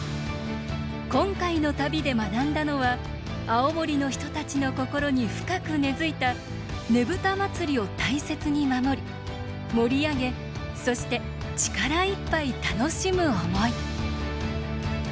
今回の旅で学んだのは青森の人たちの心に深く根づいたねぶた祭を大切に守り盛り上げそして力いっぱい楽しむ思い。